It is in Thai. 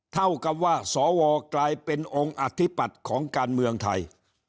เท่ากับว่าสวกลายเป็นองค์อธิปัตย์ของการเมืองไทย